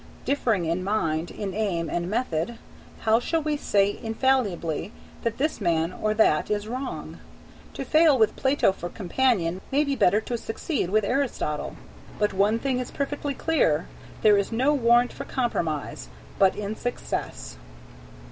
Differing in mind, in aim and method, how shall we say infallibly that this man or that is wrong? To fail with Plato for companion may be better than to succeed with Aristotle. But one thing is perfectly clear: there is no warrant for Compromise but in Success.